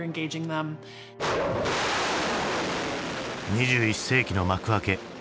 ２１世紀の幕開け。